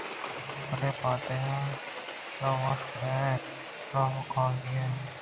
بلے ما دل ءَ وشّ نہ بئیں رَم کانگی ئِے